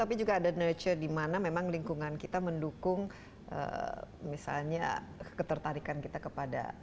tapi juga ada nature di mana memang lingkungan kita mendukung misalnya ketertarikan kita kepada